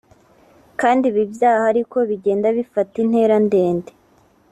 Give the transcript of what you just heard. kandi ibi byaha ari ko bigenda bifata intera ndende